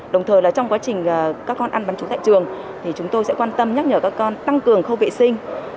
đồng thời là trong quá trình các con ăn bán chú tại trường thì chúng tôi sẽ quan tâm nhắc nhở các con tăng cường khâu vệ sinh